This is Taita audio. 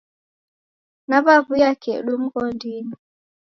Naw'aw'uya kedu mghondinyi.